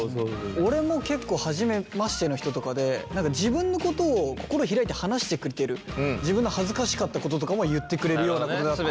俺も結構初めましての人とかで自分のことを心開いて話してくれてる自分の恥ずかしかったこととかも言ってくれるようなことだったりとか。